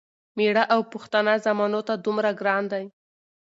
مېړه او پښتانه ځامنو ته دومره ګران دی،